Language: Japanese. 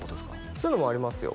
そういうのもありますよ